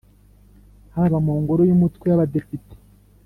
haba mu ngoro y Umutwe w Abadepite